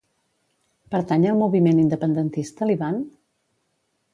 Pertany al moviment independentista l'Ivan?